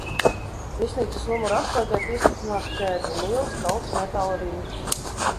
Viesnīcas numura atslēgai piestiprināta ķēde un liels, kalts metāla riņķis.